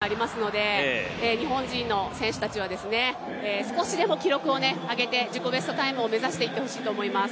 今日もたくさんの注目種目がありますので日本人の選手たちは少しでも記録を上げて、自己ベストタイムを目指していってほしいと思います。